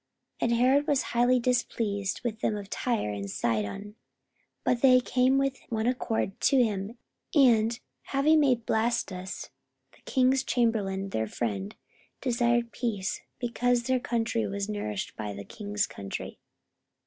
44:012:020 And Herod was highly displeased with them of Tyre and Sidon: but they came with one accord to him, and, having made Blastus the king's chamberlain their friend, desired peace; because their country was nourished by the king's country.